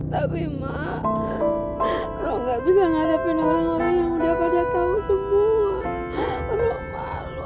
tapi mak lo gak bisa ngarepin orang orang yang udah pada tau semua